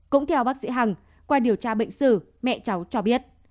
cũng theo bác sĩ hằng qua điều tra bệnh sử mẹ cháu cho biết